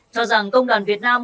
cho rằng công đoàn việt nam